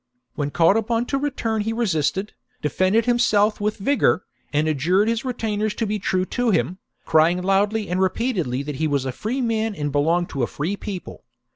When called upon to return he resisted, defended himself with vigour, and adjured his retainers to be true to him, crying loudly and repeatedly that he was a free man and belonged to a free people.